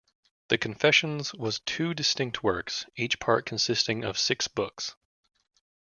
The "Confessions" was two distinct works, each part consisting of six books.